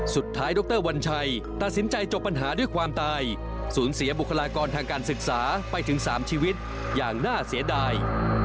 ดรวัญชัยตัดสินใจจบปัญหาด้วยความตายสูญเสียบุคลากรทางการศึกษาไปถึง๓ชีวิตอย่างน่าเสียดาย